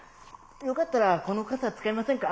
「よかったらこの傘使いませんか？